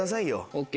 ＯＫ。